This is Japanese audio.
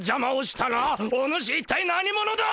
お主一体何者だ！